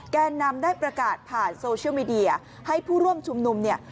แกนนำได้ประกาศผ่านโซเชียลมีเดียให้ผู้ร่วมชุมนุมเนี่ย